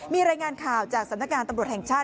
มีรายงานข่าวจากสำนักงานตำรวจแห่งชาติ